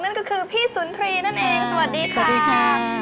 นั่นก็คือพี่สุนทรีย์นั่นเองสวัสดีค่ะ